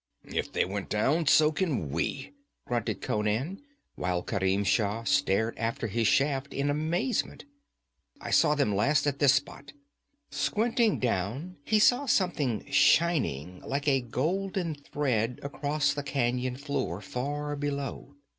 'If they went down, so can we!' grunted Conan, while Kerim Shah stared after his shaft in amazement. 'I saw them last at this spot ' Squinting down he saw something shining like a golden thread across the canyon floor far below.